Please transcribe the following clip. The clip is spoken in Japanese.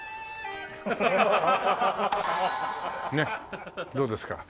ねっどうですか？